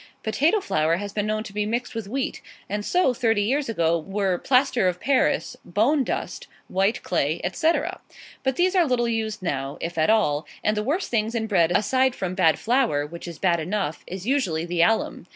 Potato flour has been known to be mixed with wheat; and so, thirty years ago, were plaster of Paris, bone dust, white clay, etc. But these are little used now, if at all; and the worst thing in bread, aside from bad flour, which is bad enough, is usually the alum.